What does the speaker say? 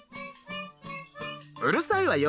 「うるさいわよ！